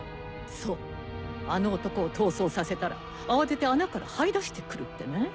そうあの男を逃走させたら慌てて穴からはい出してくるってね。